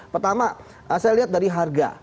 pertama saya lihat dari harga